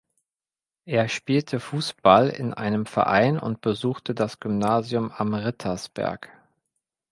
Er spielte Fußball in einem Verein und besuchte das Gymnasium am Rittersberg.